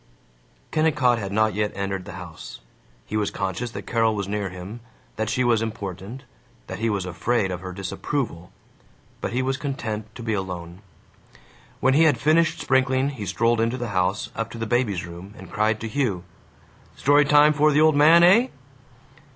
Kennicott had not yet entered the house. He was conscious that Carol was near him, that she was important, that he was afraid of her disapproval; but he was content to be alone. When he had finished sprinkling he strolled into the house, up to the baby's room, and cried to Hugh, "Story time for the old man, eh?"